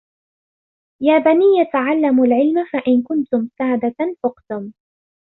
يَا بَنِيَّ تَعَلَّمُوا الْعِلْمَ فَإِنْ كُنْتُمْ سَادَةً فُقْتُمْ